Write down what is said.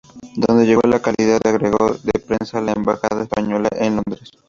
Donde llegó en calidad de agregado de prensa a la embajada española en Londres.